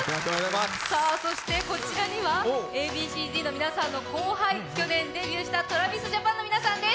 そしてこちらにはＡ．Ｂ．Ｃ−Ｚの皆さんの後輩、去年デビューした、ＴｒａｖｉｓＪａｐａｎの皆さんです。